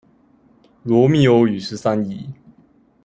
羅密歐與十三姨